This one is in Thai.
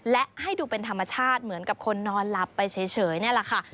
และให้ดูเป็นธรรมชาติเหมือนกับคนนอนหลับไปเฉยนี่แหละค่ะ